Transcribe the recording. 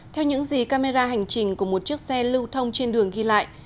theo những gì camera hành trình của một chiếc xe lưu thông trên đường ghi lại